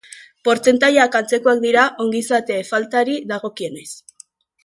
Portzentaiak antzekoak dira ongizate faltari dagokionez.